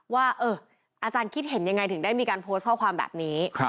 ว่าอาจารย์คิดเห็นยังไงถึงได้มีการโพสต์ข้อความแบบนี้